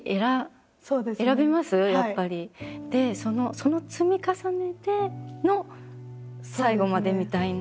その積み重ねでの最後までみたいな。